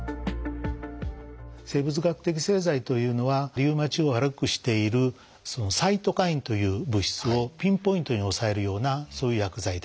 生物学的製剤というのはリウマチを悪くしているサイトカインという物質をピンポイントに抑えるようなそういう薬剤です。